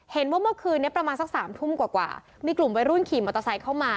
เห็นว่าเมื่อคืนนี้ประมาณสักสามทุ่มกว่ามีกลุ่มวัยรุ่นขี่มอเตอร์ไซค์เข้ามา